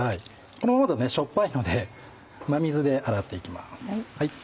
このままだとしょっぱいので真水で洗っていきます。